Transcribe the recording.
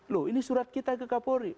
loh ini surat kita ke kapolri